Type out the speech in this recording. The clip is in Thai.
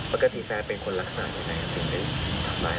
ปกติแฟนเป็นคนรักษาอย่างไรเป็นคนทำร้ายแม่